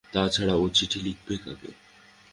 তা ছাড়া ও চিঠি লিখবে কাকে?